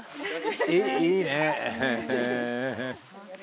いいねえ。